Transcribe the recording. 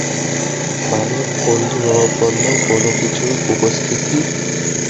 মানে বন্ধুভাবাপন্ন কোনোকিছুর উপস্থিতি?